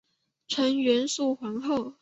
纯元肃皇后。